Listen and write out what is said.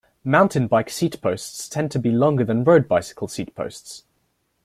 Mountain bike seatposts tend to be longer than road bicycle seatposts.